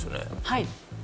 はい。